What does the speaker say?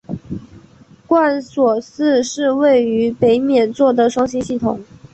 贯索四是位于北冕座的双星系统。